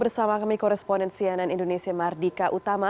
bersama kami koresponen cnn indonesia mardika utama